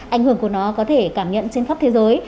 ảnh hưởng của nó có thể cảm nhận trên khắp thế giới